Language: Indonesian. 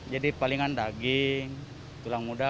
jadi palingan daging tulang muda